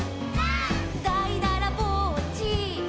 「」「だいだらぼっち」「」